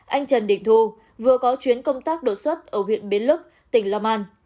anh trần định thu vừa có chuyến công tác đột xuất ở huyện biến lức tỉnh long an